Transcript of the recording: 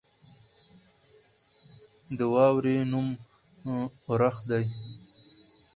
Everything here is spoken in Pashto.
د واورې نوم اورښت دی.